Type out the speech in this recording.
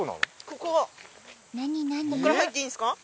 ここから入っていいんですか？